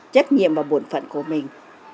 trách nhiệm và bổn phận của mình